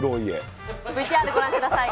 ＶＴＲご覧ください。